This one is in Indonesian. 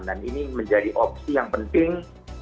dan ini menjadi opsi yang penting